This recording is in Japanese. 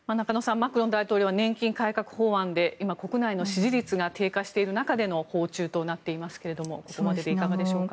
マクロン大統領は年金改革法案で今、国内の支持率が低下している中での訪中となっていますけれどもここまででいかがでしょうか。